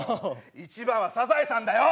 １番はサザエさんだよ！